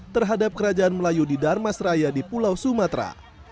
seribu delapan ratus delapan puluh enam terhadap kerajaan melayu di darmasraya di pulau sumatera